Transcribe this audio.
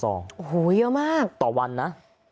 โอ้โหเยอะมากต่อวันนะ